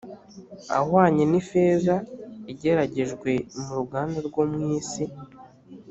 ahwanye n ifeza igeragejwe mu ruganda rwo mu isi